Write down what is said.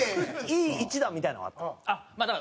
いい一打みたいなのはあった？